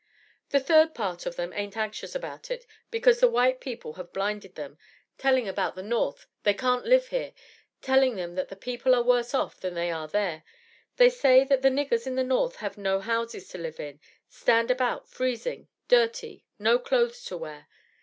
"The third part of them ain't anxious about it, because the white people have blinded them, telling about the North, they can't live here; telling them that the people are worse off than they are there; they say that the 'niggers' in the North have no houses to live in, stand about freezing, dirty, no clothes to wear.